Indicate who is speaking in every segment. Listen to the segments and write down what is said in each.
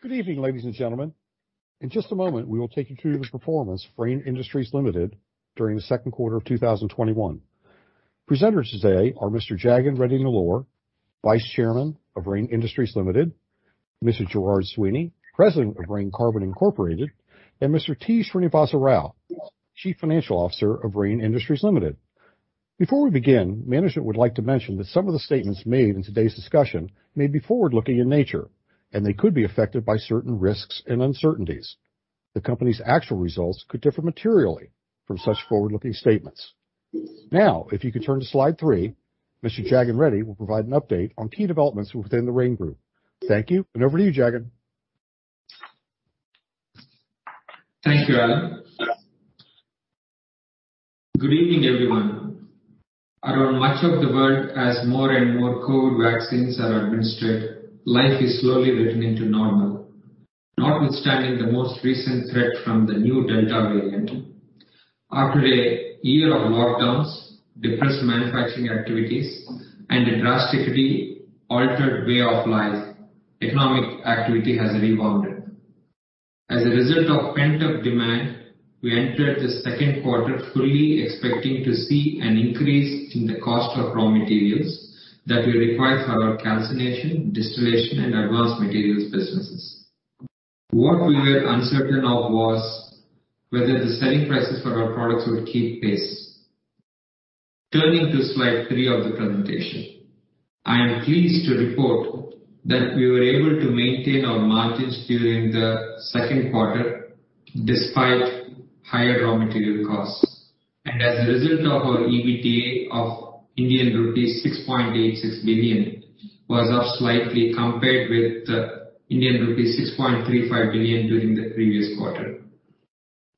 Speaker 1: Good evening, ladies and gentlemen. In just a moment, we will take you through the performance of Rain Industries Limited during the second quarter of 2021. Presenters today are Mr. Jagan Mohan Reddy Nellore, Vice Chairman of Rain Industries Limited, Mr. Gerard Sweeney, President of Rain Carbon Incorporated., and Mr. T. Srinivasa Rao, Chief Financial Officer of Rain Industries Limited. Before we begin, management would like to mention that some of the statements made in today's discussion may be forward-looking in nature, and they could be affected by certain risks and uncertainties. The company's actual results could differ materially from such forward-looking statements. Now, if you could turn to slide three, Mr. Jagan Reddy will provide an update on key developments within the Rain Group. Thank you, over to you, Jagan.
Speaker 2: Thank you, Alan. Good evening, everyone. Around much of the world, as more and more COVID vaccines are administered, life is slowly returning to normal, notwithstanding the most recent threat from the new Delta variant. After a year of lockdowns, depressed manufacturing activities, and a drastically altered way of life, economic activity has rebounded. As a result of pent-up demand, we entered the second quarter fully expecting to see an increase in the cost of raw materials that we require for our calcination, distillation, and advanced materials businesses. What we were uncertain of was whether the selling prices for our products would keep pace. Turning to slide three of the presentation. I am pleased to report that we were able to maintain our margins during the second quarter despite higher raw material costs. As a result of our EBITDA of Indian rupees 6.86 billion was up slightly compared with Indian rupees 6.35 billion during the previous quarter.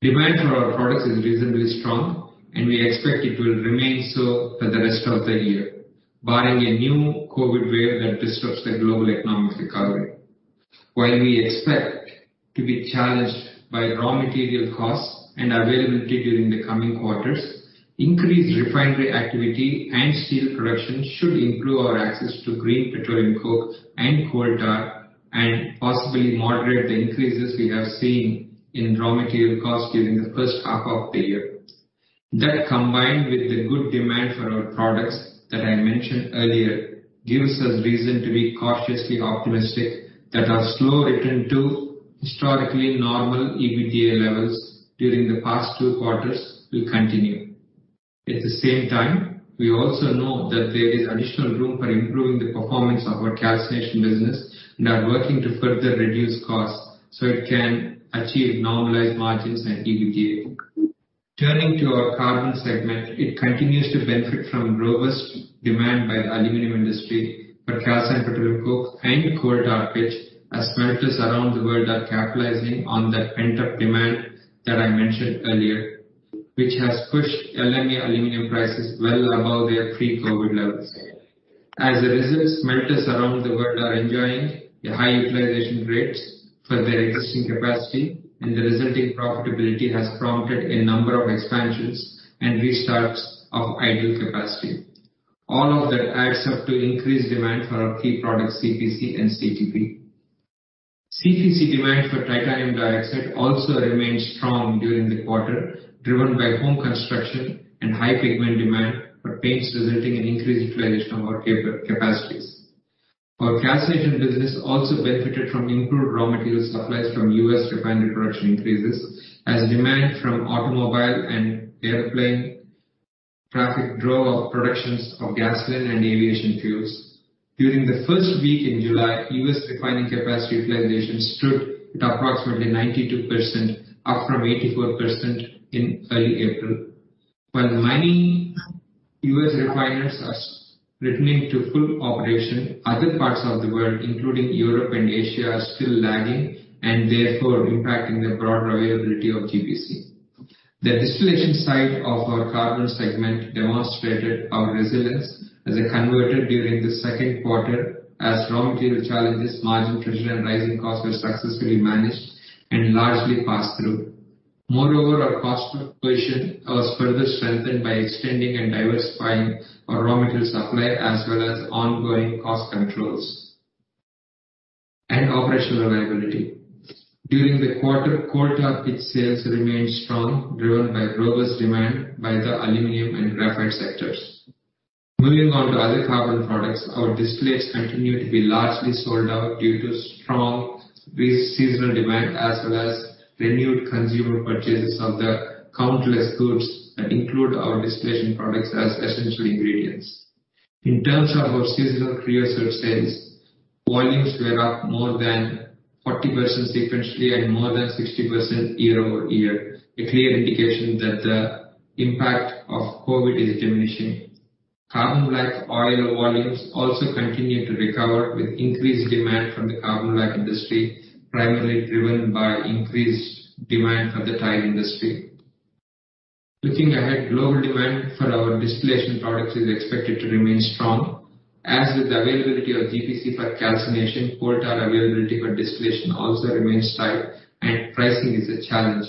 Speaker 2: Demand for our products is reasonably strong, and we expect it will remain so for the rest of the year, barring a new COVID wave that disrupts the global economic recovery. While we expect to be challenged by raw material costs and availability during the coming quarters, increased refinery activity and steel production should improve our access to green petroleum coke and coal tar and possibly moderate the increases we have seen in raw material costs during the first half of the year. That, combined with the good demand for our products that I mentioned earlier, gives us reason to be cautiously optimistic that our slow return to historically normal EBITDA levels during the past two quarters will continue. At the same time, we also know that there is additional room for improving the performance of our calcination business and are working to further reduce costs so it can achieve normalized margins and EBITDA. Turning to our Carbon segment, it continues to benefit from robust demand by the aluminum industry for calcined petroleum coke and coal tar pitch, as smelters around the world are capitalizing on that pent-up demand that I mentioned earlier, which has pushed LME aluminum prices well above their pre-COVID levels. As a result, smelters around the world are enjoying high utilization rates for their existing capacity, and the resulting profitability has prompted a number of expansions and restarts of idle capacity. All of that adds up to increased demand for our key products, CPC and CTP. CPC demand for titanium dioxide also remained strong during the quarter, driven by home construction and high pigment demand for paints, resulting in increased utilization of our capacities. Our calcination business also benefited from improved raw material supplies from U.S. refinery production increases as demand from automobile and airplane traffic drove up productions of gasoline and aviation fuels. During the first week in July, U.S. refining capacity utilization stood at approximately 92%, up from 84% in early April. While many U.S. refiners are returning to full operation, other parts of the world, including Europe and Asia, are still lagging and therefore impacting the broader availability of GPC. The distillation side of our Carbon segment demonstrated our resilience as it converted during the second quarter as raw material challenges, margin pressure, and rising costs were successfully managed and largely passed through. Moreover, our cost position was further strengthened by extending and diversifying our raw material supply as well as ongoing cost controls and operational reliability. During the quarter, coal tar pitch sales remained strong, driven by robust demand by the aluminum and graphite sectors. Moving on to other carbon products, our distillates continue to be largely sold out due to strong seasonal demand, as well as renewed consumer purchases of the countless goods that include our distillation products as essential ingredients. In terms of our seasonal creosote sales, volumes were up more than 40% sequentially and more than 60% year-over-year, a clear indication that the impact of COVID is diminishing. Carbon black oil volumes also continue to recover with increased demand from the carbon black industry, primarily driven by increased demand for the tire industry. Looking ahead, global demand for our distillation products is expected to remain strong. As with the availability of GPC for calcination, coal tar availability for distillation also remains tight, and pricing is a challenge.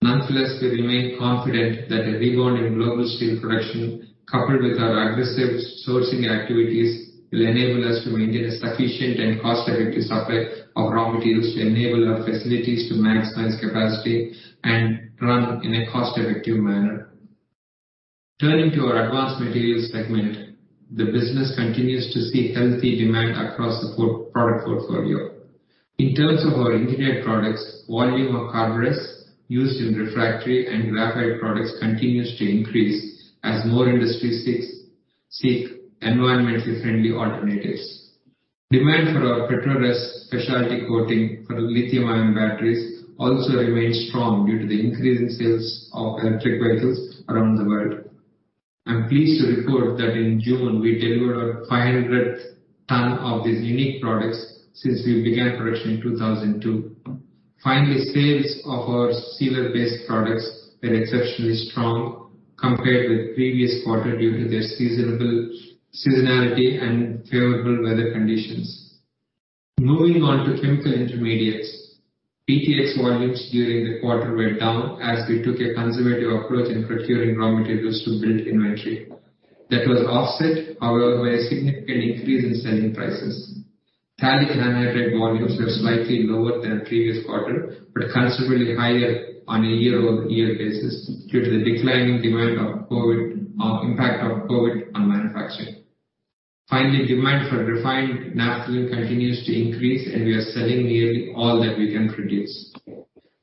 Speaker 2: Nonetheless, we remain confident that a rebound in global steel production, coupled with our aggressive sourcing activities, will enable us to maintain a sufficient and cost-effective supply of raw materials to enable our facilities to maximize capacity and run in a cost-effective manner. Turning to our Advanced Materials segment, the business continues to see healthy demand across the product portfolio. In terms of our engineered products, volume of CARBORES used in refractory and graphite products continues to increase as more industries seek environmentally friendly alternatives. Demand for our PETRORES specialty coating for lithium-ion batteries also remains strong due to the increase in sales of electric vehicles around the world. I'm pleased to report that in June, we delivered our 500th ton of these unique products since we began production in 2002. Finally, sales of our sealer-based products were exceptionally strong compared with the previous quarter due to their seasonality and favorable weather conditions. Moving on to chemical intermediates. BTX volumes during the quarter were down as we took a conservative approach in procuring raw materials to build inventory. That was offset, however, by a significant increase in selling prices. Phthalic anhydride volumes were slightly lower than the previous quarter, but considerably higher on a year-over-year basis due to the impact of COVID on manufacturing. Finally, demand for refined naphthalene continues to increase, and we are selling nearly all that we can produce.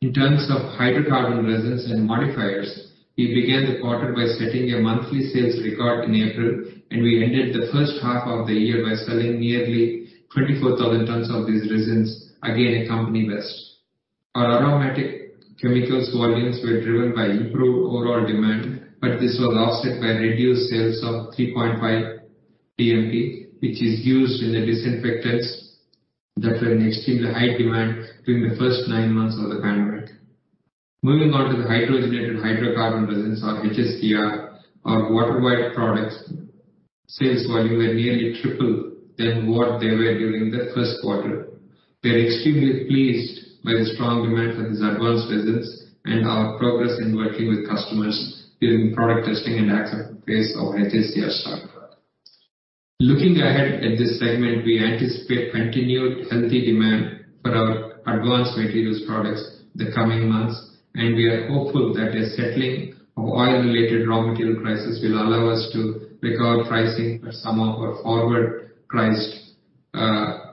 Speaker 2: In terms of hydrocarbon resins and modifiers, we began the quarter by setting a monthly sales record in April, and we ended the first half of the year by selling nearly 24,000 tons of these resins, again, a company best. Our aromatic chemicals volumes were driven by improved overall demand, but this was offset by reduced sales of 3,5-DMP, which is used in the disinfectants that were in extremely high demand during the first nine months of the pandemic. Moving on to the hydrogenated hydrocarbon resins, or HCHR, our water-white products sales volume were nearly triple than what they were during the first quarter. We are extremely pleased by the strong demand for these advanced resins and our progress in working with customers during the product testing and acceptance phase of HCHR scorecard. Looking ahead at this segment, we anticipate continued healthy demand for our advanced materials products the coming months, and we are hopeful that a settling of oil-related raw material prices will allow us to recover pricing for some of our forward-priced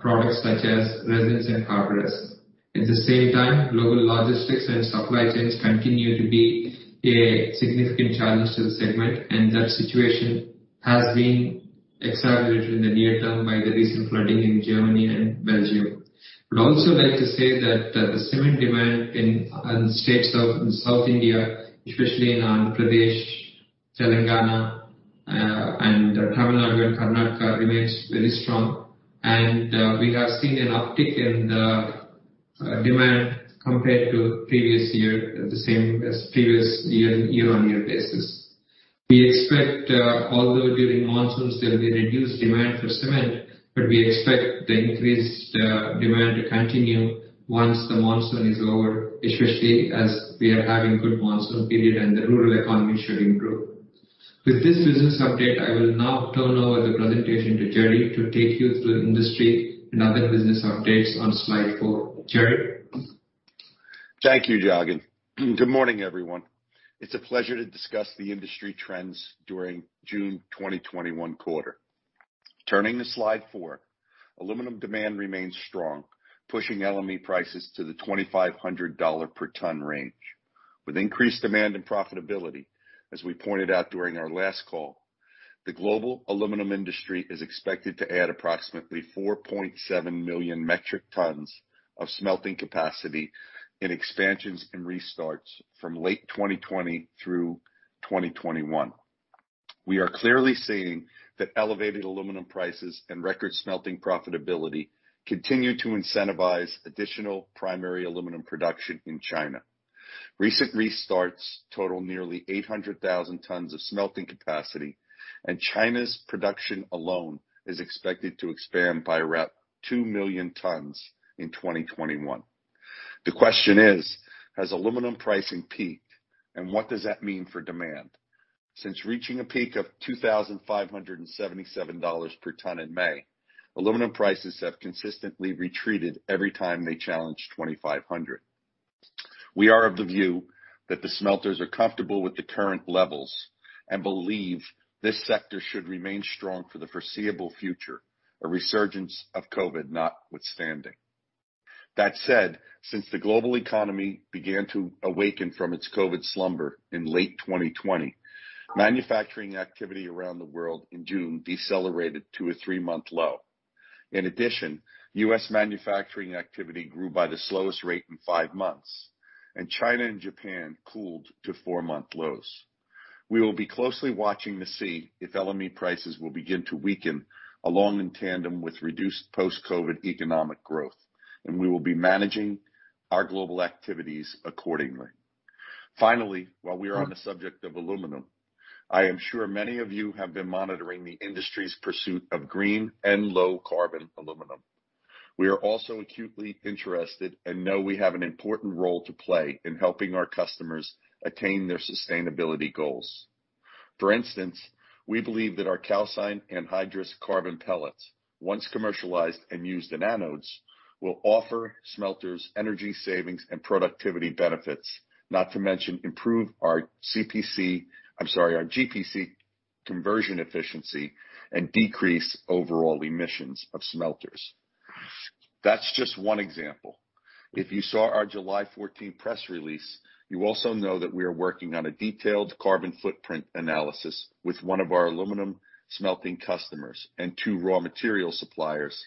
Speaker 2: products such as resins and CARBORES. At the same time, global logistics and supply chains continue to be a significant challenge to the segment, and that situation has been exacerbated in the near term by the recent flooding in Germany and Belgium. Would also like to say that the cement demand in states in South India, especially in Andhra Pradesh, Telangana, and Tamil Nadu, and Karnataka remains very strong. We have seen an uptick in the demand compared to previous year, the same as previous year on year basis. Although during monsoons there will be reduced demand for cement, we expect the increased demand to continue once the monsoon is over, especially as we are having good monsoon period and the rural economy should improve. With this business update, I will now turn over the presentation to Gerry to take you through industry and other business updates on slide four. Gerry?
Speaker 3: Thank you, Jagan. Good morning, everyone. It's a pleasure to discuss the industry trends during June 2021 quarter. Turning to slide four. Aluminum demand remains strong, pushing LME prices to the $2,500 per ton range. With increased demand and profitability, as we pointed out during our last call, the global aluminum industry is expected to add approximately 4.7 million metric tons of smelting capacity in expansions and restarts from late 2020 through 2021. We are clearly seeing that elevated aluminum prices and record smelting profitability continue to incentivize additional primary aluminum production in China. Recent restarts total nearly 800,000 tons of smelting capacity, and China's production alone is expected to expand by around 2 million tons in 2021. The question is: Has aluminum pricing peaked, and what does that mean for demand? Since reaching a peak of $2,577 per ton in May, aluminum prices have consistently retreated every time they challenge $2,500. We are of the view that the smelters are comfortable with the current levels and believe this sector should remain strong for the foreseeable future, a resurgence of COVID notwithstanding. That said, since the global economy began to awaken from its COVID slumber in late 2020, manufacturing activity around the world in June decelerated to a three-month low. In addition, U.S. manufacturing activity grew by the slowest rate in five months, and China and Japan cooled to four-month lows. We will be closely watching to see if LME prices will begin to weaken along in tandem with reduced post-COVID economic growth, and we will be managing our global activities accordingly. Finally, while we are on the subject of aluminum, I am sure many of you have been monitoring the industry's pursuit of green and low carbon aluminum. We are also acutely interested and know we have an important role to play in helping our customers attain their sustainability goals. For instance, we believe that our calcined anhydrous carbon pellets, once commercialized and used in anodes, will offer smelters energy savings and productivity benefits, not to mention improve our GPC conversion efficiency and decrease overall emissions of smelters. That's just one example. If you saw our July 14 press release, you also know that we are working on a detailed carbon footprint analysis with one of our aluminum smelting customers and two raw material suppliers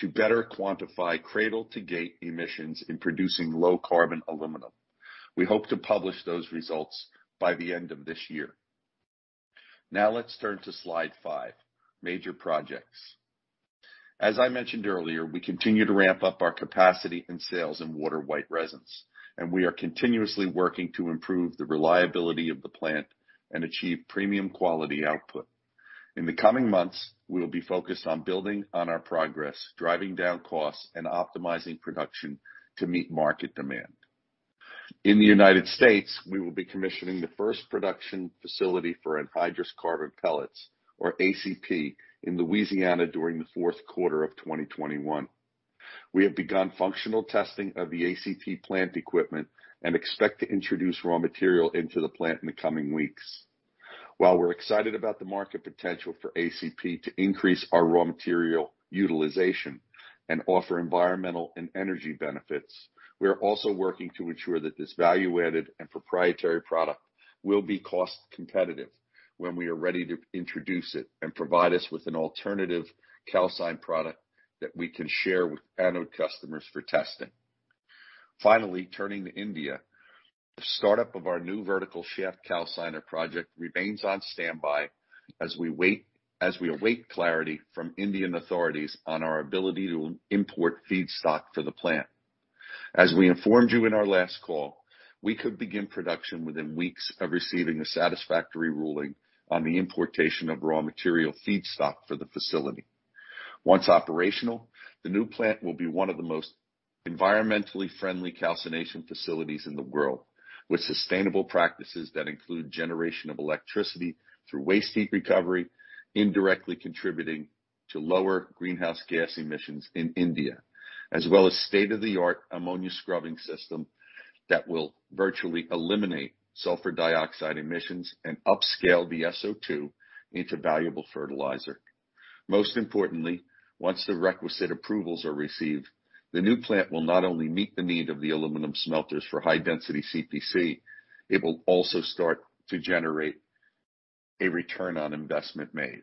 Speaker 3: to better quantify cradle-to-gate emissions in producing low carbon aluminum. We hope to publish those results by the end of this year. Let's turn to slide five, major projects. As I mentioned earlier, we continue to ramp up our capacity and sales in water-white resins, and we are continuously working to improve the reliability of the plant and achieve premium quality output. In the coming months, we will be focused on building on our progress, driving down costs, and optimizing production to meet market demand. In the United States., we will be commissioning the first production facility for anhydrous carbon pellets, or ACP, in Louisiana during the fourth quarter of 2021. We have begun functional testing of the ACP plant equipment and expect to introduce raw material into the plant in the coming weeks. While we're excited about the market potential for ACP to increase our raw material utilization and offer environmental and energy benefits, we are also working to ensure that this value-added and proprietary product will be cost competitive when we are ready to introduce it and provide us with an alternative calcine product that we can share with anode customers for testing. Finally, turning to India. The startup of our new vertical shaft calciner project remains on standby as we await clarity from Indian authorities on our ability to import feedstock for the plant. As we informed you in our last call, we could begin production within weeks of receiving a satisfactory ruling on the importation of raw material feedstock for the facility. Once operational, the new plant will be one of the most environmentally friendly calcination facilities in the world, with sustainable practices that include generation of electricity through waste heat recovery, indirectly contributing to lower greenhouse gas emissions in India, as well as state-of-the-art ammonia scrubbing system that will virtually eliminate sulfur dioxide emissions and upscale the SO2 into valuable fertilizer. Most importantly, once the requisite approvals are received, the new plant will not only meet the need of the aluminum smelters for high density CPC, it will also start to generate a return on investment made.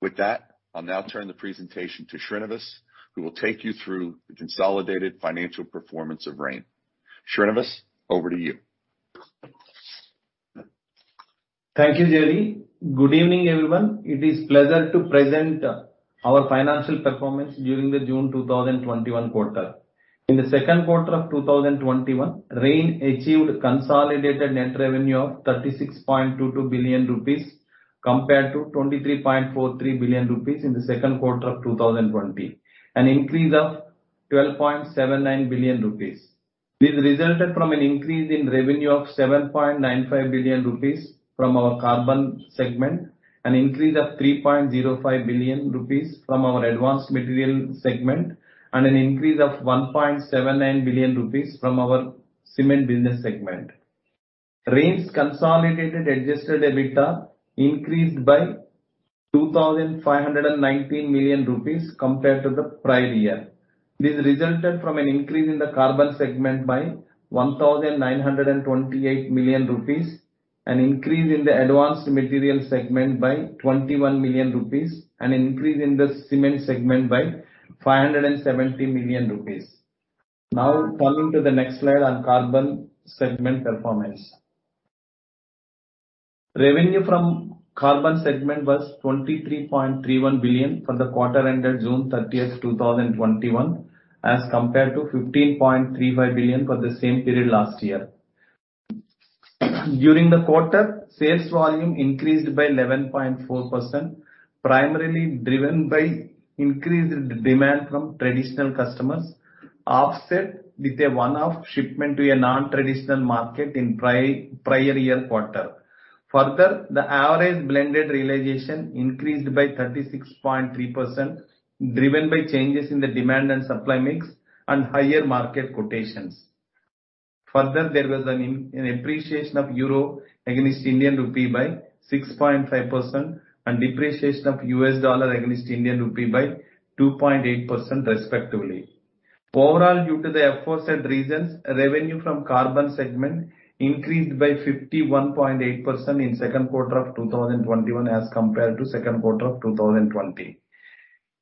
Speaker 3: With that, I will now turn the presentation to Srinivas, who will take you through the consolidated financial performance of Rain. Srinivas, over to you.
Speaker 4: Thank you, Gerry. Good evening, everyone. It is pleasure to present our financial performance during the June 2021 quarter. In the second quarter of 2021, Rain achieved consolidated net revenue of 36.22 billion rupees, compared to 23.43 billion rupees in the second quarter of 2020, an increase of 12.79 billion rupees. This resulted from an increase in revenue of 7.95 billion rupees from our Carbon segment, an increase of 3.05 billion rupees from our Advanced Material segment, and an increase of 1.79 billion rupees from our Cement business segment. Rain's consolidated adjusted EBITDA increased by 2,519 million rupees compared to the prior year. This resulted from an increase in the Carbon segment by 1,928 million rupees, an increase in the Advanced Materials segment by 21 million rupees, and an increase in the Cement segment by 570 million rupees. Now turn to the next slide on Carbon segment performance. Revenue from Carbon segment was 23.31 billion for the quarter ended June 30th, 2021, as compared to 15.35 billion for the same period last year. During the quarter, sales volume increased by 11.4%, primarily driven by increased demand from traditional customers, offset with a one-off shipment to a non-traditional market in prior year quarter. The average blended realization increased by 36.3%, driven by changes in the demand and supply mix and higher market quotations. There was an appreciation of euro against Indian rupee by 6.5% and depreciation of US dollar against Indian rupee by 2.8% respectively. Overall, due to the aforesaid reasons, revenue from Carbon segment increased by 51.8% in second quarter of 2021 as compared to second quarter of 2020.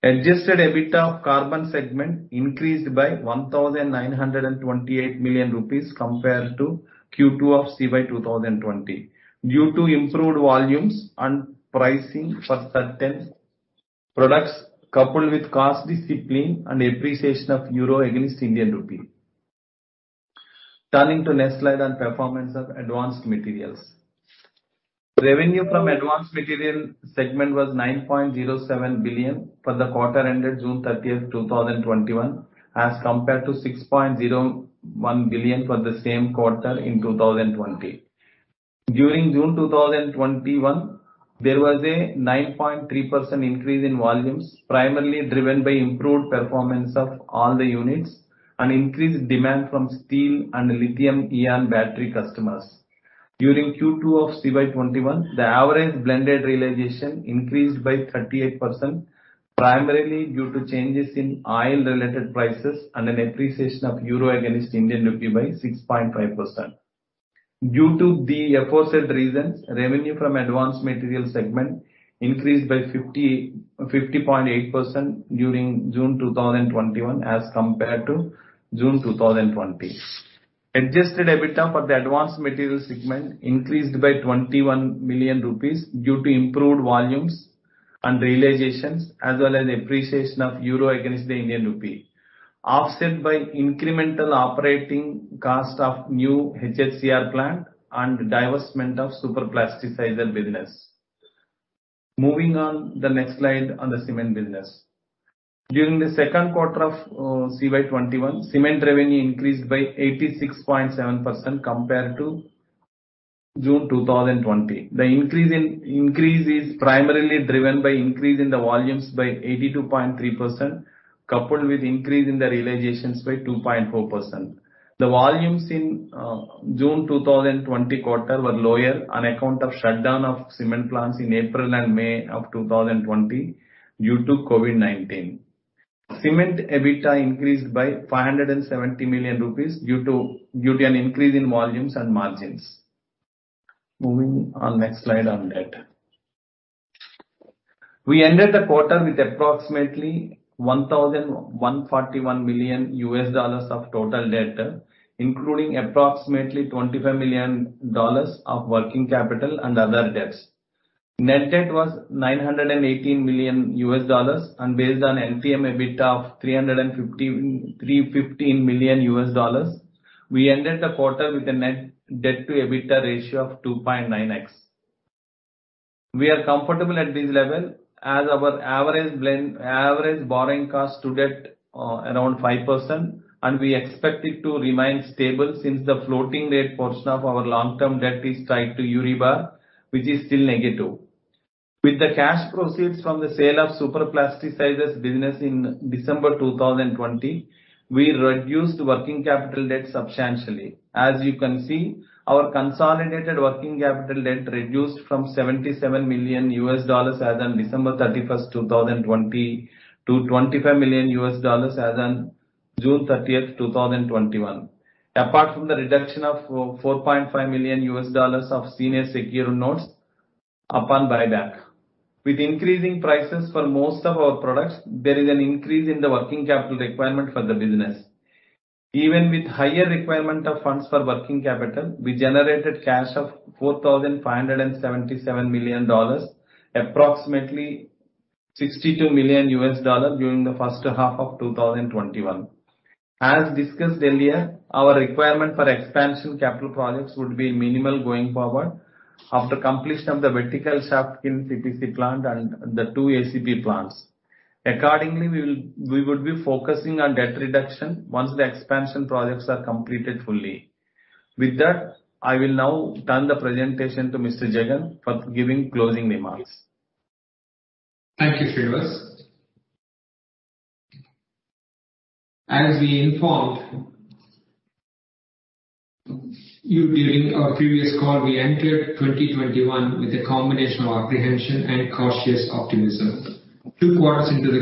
Speaker 4: Adjusted EBITDA of Carbon segment increased by 1,928 million rupees compared to Q2 of CY 2020 due to improved volumes and pricing for certain products, coupled with cost discipline and appreciation of euro against Indian rupee. Turning to next slide on performance of advanced materials. Revenue from Advanced Material segment was 9.07 billion for the quarter ended June 30th, 2021, as compared to 6.01 billion for the same quarter in 2020. During June 2021, there was a 9.3% increase in volumes, primarily driven by improved performance of all the units and increased demand from steel and lithium-ion battery customers. During Q2 of CY 2021, the average blended realization increased by 38%, primarily due to changes in oil-related prices and an appreciation of euro against Indian rupee by 6.5%. Due to the aforesaid reasons, revenue from Advanced Material segment increased by 50.8% during June 2021 as compared to June 2020. Adjusted EBITDA for the Advanced Materials segment increased by 21 million rupees due to improved volumes and realizations, as well as appreciation of euro against the Indian Rupee, offset by incremental operating cost of new HCHR plant and divestment of superplasticizer business. Moving on the next slide on the Cement business. During the second quarter of CY 2021, Cement revenue increased by 86.7% compared to June 2020. The increase is primarily driven by increase in the volumes by 82.3%, coupled with increase in the realizations by 2.4%. The volumes in June 2020 quarter were lower on account of shutdown of Cement plants in April and May of 2020 due to COVID-19. Cement EBITDA increased by 570 million rupees due to an increase in volumes and margins. Moving on next slide on debt. We ended the quarter with approximately $1.141 million of total debt, including approximately $25 million of working capital and other debts. Net debt was $918 million. Based on LTM EBITDA of $315 million, we ended the quarter with a net debt to EBITDA ratio of 2.9x. We are comfortable at this level as our average borrowing cost to debt around 5%, and we expect it to remain stable since the floating rate portion of our long-term debt is tied to EURIBOR, which is still negative. With the cash proceeds from the sale of superplasticizer business in December 2020, we reduced working capital debt substantially. As you can see, our consolidated working capital debt reduced from $77 million as on December 31st, 2020 to $25 million as on June 30th, 2021. Apart from the reduction of $4.5 million of senior secured notes upon buyback. With increasing prices for most of our products, there is an increase in the working capital requirement for the business. Even with higher requirement of funds for working capital, we generated cash of $4,577 million, approximately $62 million, during the first half of 2021. As discussed earlier, our requirement for expansion capital projects would be minimal going forward after completion of the Vertical Shaft Kiln CPC plant and the two ACP plants. Accordingly, we would be focusing on debt reduction once the expansion projects are completed fully. With that, I will now turn the presentation to Mr. Jagan for giving closing remarks.
Speaker 2: Thank you, Srinivas. As we informed you during our previous call, we entered 2021 with a combination of apprehension and cautious optimism. Two quarters into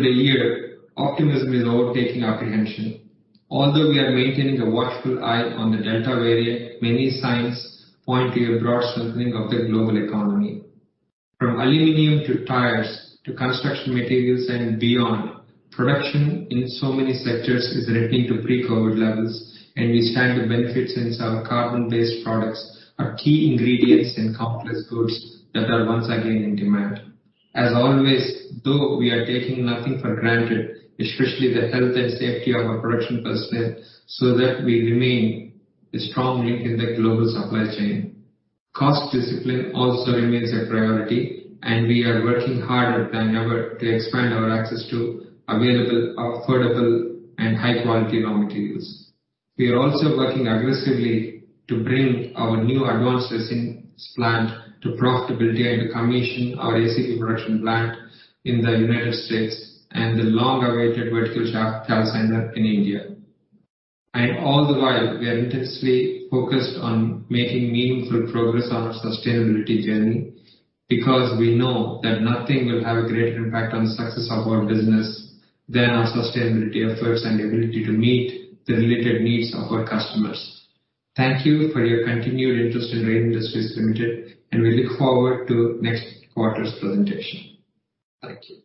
Speaker 2: the year, optimism is overtaking apprehension. Although we are maintaining a watchful eye on the Delta variant, many signs point to a broad strengthening of the global economy. From aluminum to tires to construction materials and beyond, production in so many sectors is returning to pre-COVID levels, and we stand to benefit since our carbon-based products are key ingredients in complex goods that are once again in demand. As always, though, we are taking nothing for granted, especially the health and safety of our production personnel, so that we remain a strong link in the global supply chain. Cost discipline also remains a priority. We are working harder than ever to expand our access to available, affordable, and high-quality raw materials. We are also working aggressively to bring our new advanced resins plant to profitability and commission our ACP production plant in the United States and the long-awaited Vertical Shaft Calciner in India. All the while, we are intensely focused on making meaningful progress on our sustainability journey because we know that nothing will have a greater impact on the success of our business than our sustainability efforts and ability to meet the related needs of our customers. Thank you for your continued interest in Rain Industries Limited, and we look forward to next quarter's presentation. Thank you.